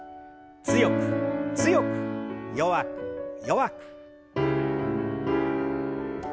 強く強く弱く弱く。